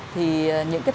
thì những cái thầy